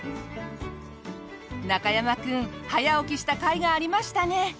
中山君早起きしたかいがありましたね。